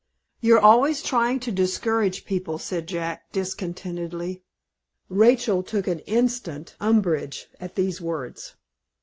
"You're always trying' to discourage people," said Jack, discontentedly. Rachel took instant umbrage at these words.